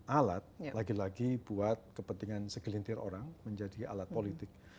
alat lagi lagi buat kepentingan segelintir orang menjadi alat politik